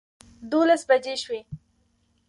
دولس بجې شوې.